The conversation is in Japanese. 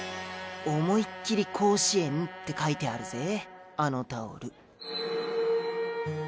思いっ切り甲子園って書いてあるぜあのタオル。